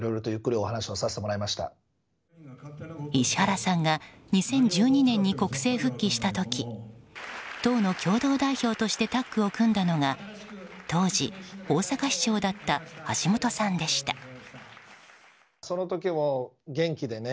石原さんが２０１２年に国政復帰した時党の共同代表としてタッグを組んだのが当時、大阪市長だった橋下さんでした。